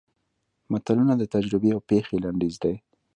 متلونه د تجربې او پېښې لنډیز دي